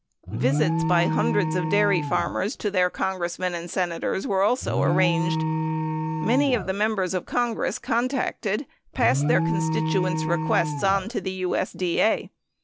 Visits by hundreds of dairy farmers to their Con gressmen and Senators were also arranged. 10 Many of the Members of Congress contacted passed their constituents' requests on to TJSDA.